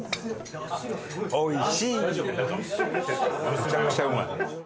めちゃくちゃうまい！